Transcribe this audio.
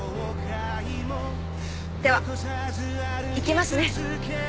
ではいきますね。